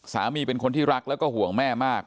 เป็นคนที่รักแล้วก็ห่วงแม่มาก